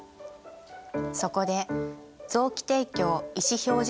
そこで臓器提供意思表示